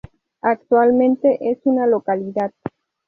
Actualmente es una localidad.